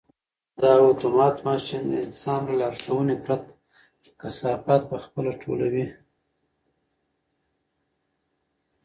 دا اتومات ماشین د انسان له لارښوونې پرته کثافات په خپله ټولوي.